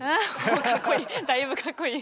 かっこいい。